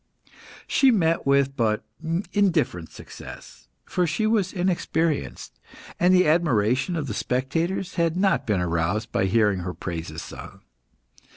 She met with but indifferent success, for she was inexperienced, and the admiration of the spectators had not been aroused by hearing her praises sung.